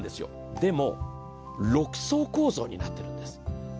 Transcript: でも、６層構造になっているんですよ。